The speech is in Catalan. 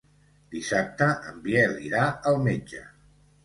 Dissabte en Biel irà al metge.